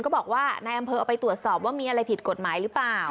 บอกว่านายอำเภอเอาไปตรวจสอบว่ามีอะไรผิดกฎหมายหรือเปล่า